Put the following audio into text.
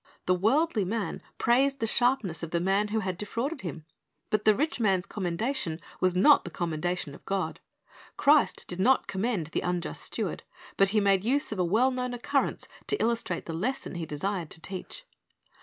The worldly man praised the sharp ness of the man who had defrauded him. But the rich man's commendation was not the commendation of God. Christ did not commend tiie unjust steward, but He made use of a well known occurrence to illustrate the lesson He desired to teach.